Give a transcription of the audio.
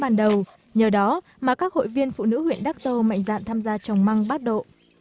nhờ đó mà các hội viên phụ nữ huyện đắc tô mạnh dạn tham gia trồng măng bát độ